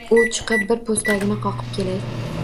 U chiqib bir poʻstagini qoqib kelay